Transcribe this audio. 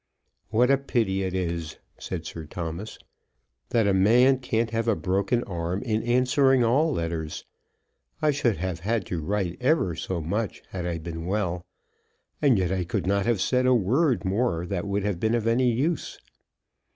"What a pity it is," said Sir Thomas, "that a man can't have a broken arm in answering all letters. I should have had to write ever so much had I been well. And yet I could not have said a word more that would have been of any use."